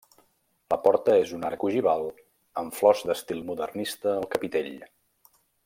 La porta és un arc ogival amb flors d'estil modernista al capitell.